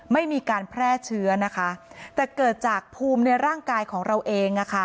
ไม่มีการแพร่เชื้อนะคะแต่เกิดจากภูมิในร่างกายของเราเอง